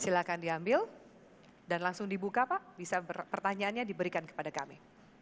silahkan diambil dan langsung dibuka pak bisa pertanyaannya diberikan kepada kami